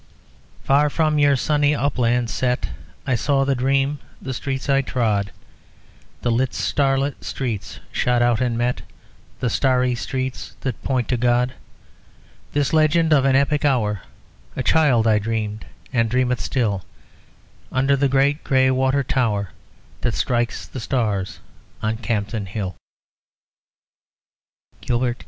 _ _Far from your sunny uplands set I saw the dream; the streets I trod The lit straight streets shot out and met The starry streets that point to God. This legend of an epic hour A child I dreamed, and dream it still, Under the great grey water tower That strikes the stars on Campden Hill._ G. K.